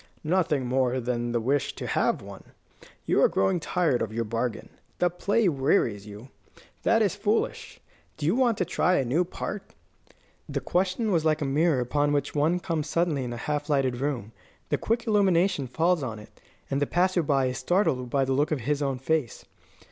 "Nothing more than the wish to have one. You are growing tired of your bargain. The play wearies you. That is foolish. Do you want to try a new part?" The question was like a mirror upon which one comes suddenly in a half lighted room. A quick illumination falls on it, and the passer by is startled by the look of his own face.